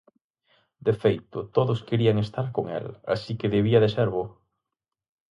De feito, todos querían estar con el, así que debía de ser bo.